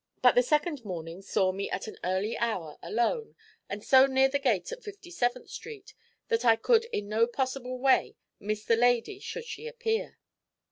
But the second morning saw me at an early hour alone, and so near the gate at Fifty seventh Street that I could in no possible way miss the lady should she appear.